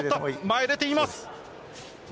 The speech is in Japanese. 前に出ています。